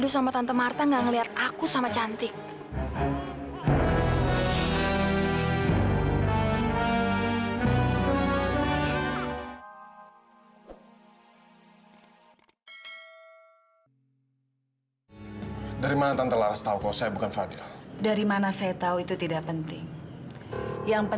sampai jumpa di video selanjutnya